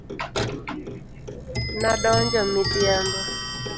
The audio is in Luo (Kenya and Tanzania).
Na donjo midhiambo.